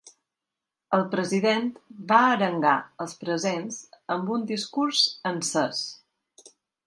El president va arengar els presents amb un discurs encès.